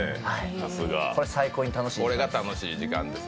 これ、最高に楽しいです。